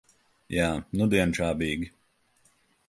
Jā, nudien čābīgi.